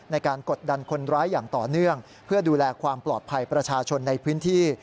กดดันคนร้ายอย่างต่อเนื่องเพื่อดูแลความปลอดภัยประชาชนในพื้นที่